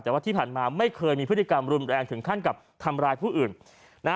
แต่ว่าที่ผ่านมาไม่เคยมีพฤติกรรมรุนแรงถึงขั้นกับทำร้ายผู้อื่นนะฮะ